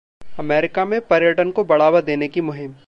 America में पर्यटन को बढ़ावा देने की मुहिम